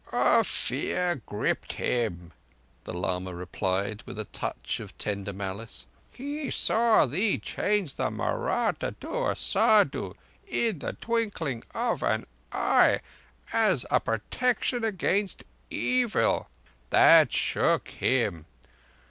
"A fear gripped him," the lama replied, with a touch of tender malice. "He saw thee change the Mahratta to a Saddhu in the twinkling of an eye, as a protection against evil. That shook him.